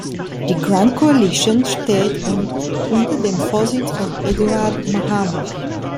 Die "Grand Coalition" steht unter dem Vorsitz von Edward Mahama.